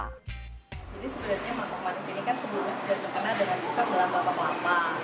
jadi sebenarnya mangkuk manis ini kan sebelumnya sudah terkena dengan dessert dalam bako kelapa